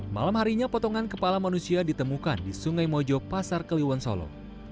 malam harinya potongan kepala manusia ditemukan di sungai mojo pasar keliwon solo